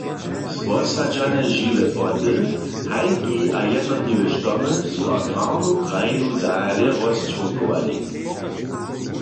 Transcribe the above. Zwosadźane žiwe płoty, hajki a jednotliwe štomy su agrarnu krajinu dale rozčłonkowali.